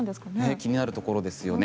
気になるところですよね